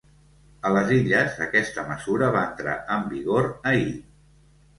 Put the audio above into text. A les Illes aquesta mesura va entrar en vigor ahir.